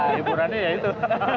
hiburannya ya itu